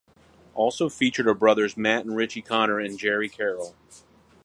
Also featured are brothers Matt and Richie Connor and Gerry Carroll.